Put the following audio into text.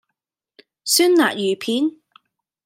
酸辣魚片